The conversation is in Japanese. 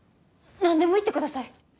何でも言ってください。